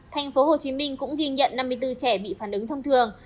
tp hcm cũng ghi nhận năm mươi bốn trẻ bị phản ứng thông thường